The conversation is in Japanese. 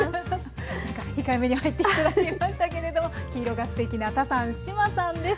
なんか控えめに入って頂きましたけれども黄色がすてきなタサン志麻さんです。